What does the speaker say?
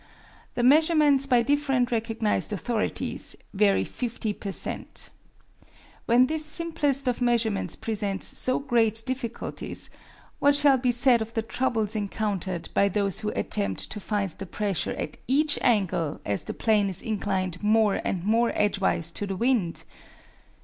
The measurements by different recognized authorities vary 50 per cent. When this simplest of measurements presents so great difficulties, what shall be said of the troubles encountered by those who attempt to find the pressure at each angle as the plane is inclined more and more edgewise to the wind?